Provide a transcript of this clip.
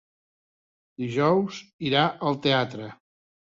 Dijous irà al teatre.